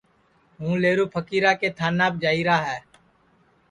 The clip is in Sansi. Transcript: ہُوں لیہرو پھکیرا کے تھاناپ جائییرا ہے